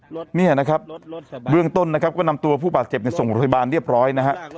เนี่ยนะครับเบื้องต้นนะครับก็นำตัวผู้บาดเจ็บในส่งโรงพยาบาลเรียบร้อยนะฮะ